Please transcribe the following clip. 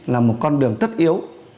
là một con đường tất yếu